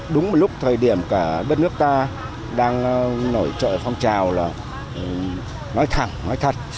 đúng một lúc thời điểm cả đất nước ta đang nổi trội phong trào là nói thẳng nói thật